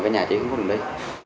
mà cái nhà chỉ không có đường đi